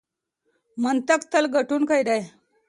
منطق تل ګټونکی دی.